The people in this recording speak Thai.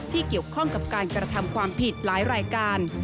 เกี่ยวข้องกับการกระทำความผิดหลายรายการ